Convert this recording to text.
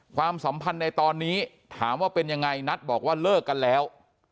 ความสัมพันธ์ในตอนนี้ถามว่าเป็นยังไงนัทบอกว่าเลิกกันแล้ว